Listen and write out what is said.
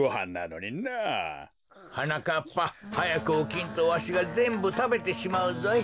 はなかっぱはやくおきんとわしがぜんぶたべてしまうぞい。